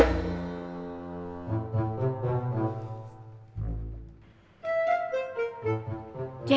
ada siapa saja